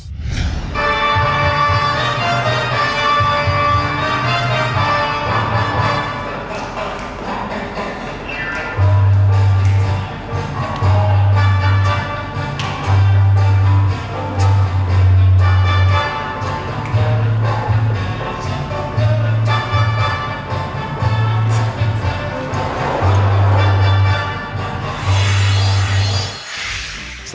หุ่นเสียเบรียเวิร์ด